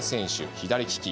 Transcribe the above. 左利き。